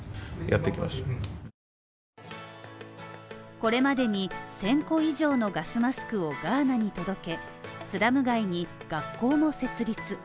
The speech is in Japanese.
これまでに１，０００個以上のガスマスクをガーナに届けスラム街に学校も設立。